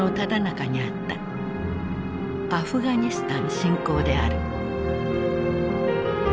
アフガニスタン侵攻である。